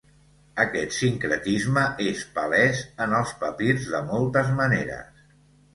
Aquest sincretisme és palès en els papirs de moltes maneres.